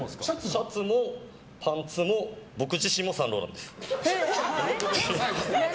シャツもパンツも僕自身もサンローランです。